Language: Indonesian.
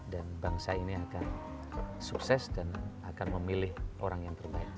dan bangsa ini akan sukses dan akan memilih orang yang terbaik